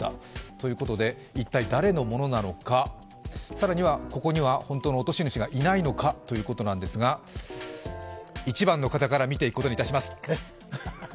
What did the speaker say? ということで一体誰のものなのか更には、ここには本当の落とし主がいないのかということなんですが１番の方から見ていくことにいたします。